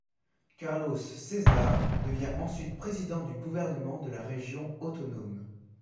Carlos César devient ensuite président du gouvernement de la Région autonome.